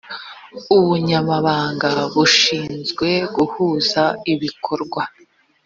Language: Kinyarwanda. ubunyamabanga bushinzwe guhuza ibikorwa